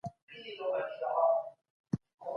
چېري ګمرکي ادارې فعالیت کوي؟